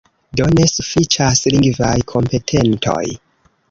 Do, ne sufiĉas lingvaj kompetentoj.